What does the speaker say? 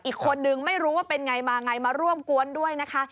อีกคนนึงไม่รู้ว่าเป็นไงมาไงมาร่วมกวนด้วยนะคะ